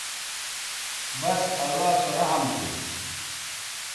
بس اللہ سو رحم تھو